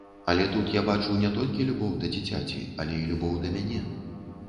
Але тут я бачу не толькі любоў да дзіцяці, але і любоў да мяне.